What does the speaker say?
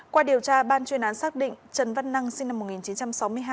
qua điều tra ban chuyên án xác định trần văn năng sinh năm một nghìn chín trăm sáu mươi hai